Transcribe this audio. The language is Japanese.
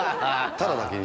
タラだけに。